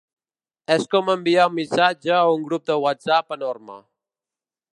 És com enviar un missatge a un grup de whatsapp enorme.